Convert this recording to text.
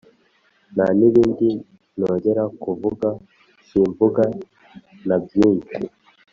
nta n’ibindi nongera kuvuga, simvuga na byinshi.